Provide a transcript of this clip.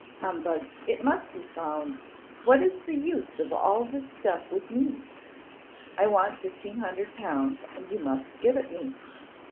'Humbug! It must be found. What is the use of all this stuff with me? I want 1,500L., and you must give it me.